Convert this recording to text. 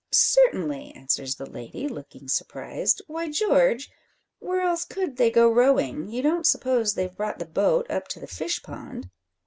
"Certainly!" answers the lady, looking surprised. "Why, George; where else could they go rowing! You don't suppose they've brought the boat up to the fishpond!"